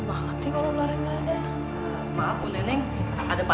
makasih ya kang asuf